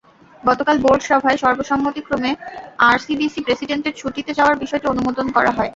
গতকাল বোর্ড সভায় সর্বসম্মতিক্রমে আরসিবিসি প্রেসিডেন্টের ছুটিতে যাওয়ার বিষয়টি অনুমোদন করা হয়।